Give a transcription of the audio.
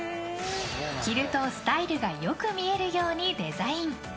着るとスタイルがよく見えるようにデザイン。